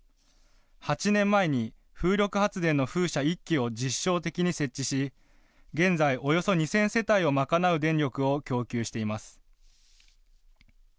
８年前に風力発電の風車１基を実証的に設置し現在およそ２０００世帯を賄う電力を供給しています。